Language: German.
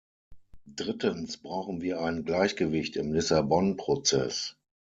Drittens brauchen wir ein Gleichgewicht im Lissabon-Prozess.